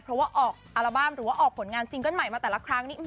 เพราะว่าออกอัลบั้มหรือว่าออกผลงานซิงเกิ้ลใหม่มาแต่ละครั้งนี้